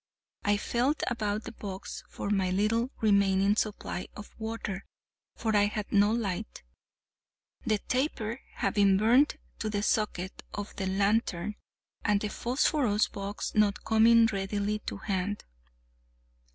I felt about the box for my little remaining supply of water, for I had no light, the taper having burnt to the socket of the lantern, and the phosphorus box not coming readily to hand.